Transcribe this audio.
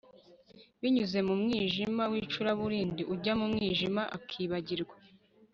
Binyuze mu mwijima wicuraburindi ujya mu mwijima akibagirwa